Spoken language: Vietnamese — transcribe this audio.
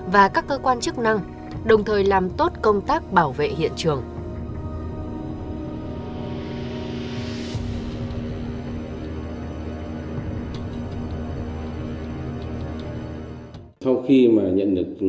và các cơ quan điều tra công an tỉnh